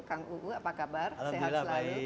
kang uu apa kabar sehat selalu